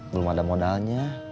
belum ada modalnya